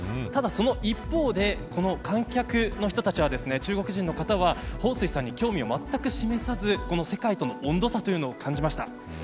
ただ、その一方で観客の人たちは中国人の方は彭帥さんに全く興味を示さず世界との温度差というのを感じました。